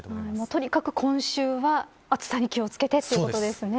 とにかく今週は暑さに気を付けてということですよね。